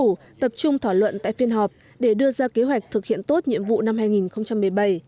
các thành viên chính phủ tập trung thỏa luận tại phiên họp để đưa ra kế hoạch thực hiện tốt nhiệm vụ năm hai nghìn một mươi bảy